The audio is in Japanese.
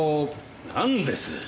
なんです？